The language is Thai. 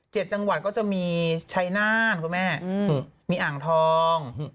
เจ็ดจังหวัดก็จะมีชัยน่านมีอ่างทอง